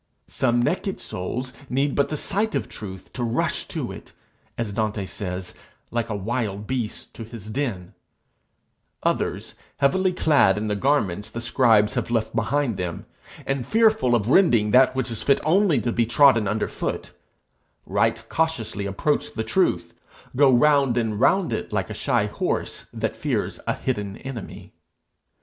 Some naked souls need but the sight of truth to rush to it, as Dante says, like a wild beast to his den; others, heavily clad in the garments the scribes have left behind them, and fearful of rending that which is fit only to be trodden underfoot, right cautiously approach the truth, go round and round it like a shy horse that fears a hidden enemy.